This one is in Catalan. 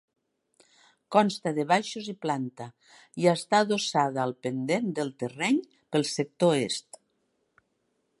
Consta de baixos i planta i està adossada al pendent del terreny pel sector Est.